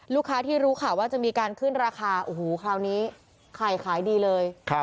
ลูกค้าที่รู้ค่ะว่าจะมีขึ้นราคาคราวนี้ไข่ขายดีเลย